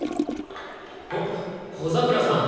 おっ小桜さん。